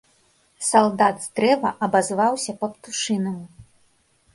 Салдат з дрэва абазваўся па-птушынаму.